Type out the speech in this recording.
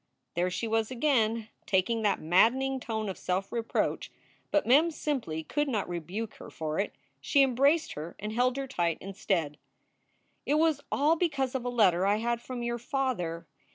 There she was again! Taking that maddening tone of self reproach. But Mem simply could not rebuke her for it. She embraced her and held her tight, instead. "It was all because of a letter I had from your father.